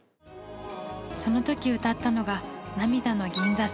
その時歌ったのが「涙の銀座線」。